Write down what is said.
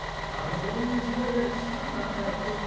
こういう時代が来たんだなやっとって。